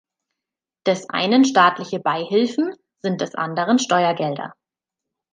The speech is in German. Des einen staatliche Beihilfen sind des anderen Steuergelder.